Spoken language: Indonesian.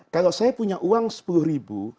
kalau saya punya uang sepuluh ribu